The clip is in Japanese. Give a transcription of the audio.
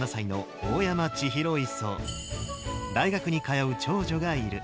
大学に通う長女がいる。